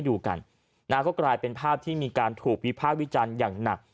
ดูกันนะฮะก็กลายเป็นภาพที่มีการถูกวิพากษ์วิจารณ์อย่างหนัก